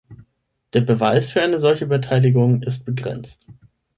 Der Beweis für eine solche Beteiligung ist begrenzt.